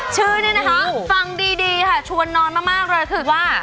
ชื่อนี่นะคะฟังดีค่ะชวนนอนมากเลยคือว่า